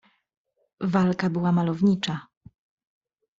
"Walka była malownicza."